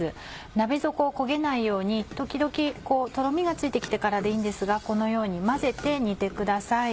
鍋底を焦げないように時々とろみがついて来てからでいいんですがこのように混ぜて煮てください。